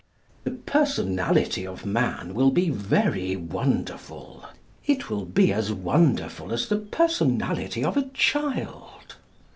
The personality of man will be very wonderful. It will be as wonderful as the personality of a child.